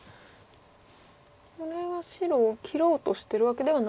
これは白を切ろうとしてるわけではない？